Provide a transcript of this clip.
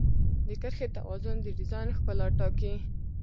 د کرښې توازن د ډیزاین ښکلا ټاکي.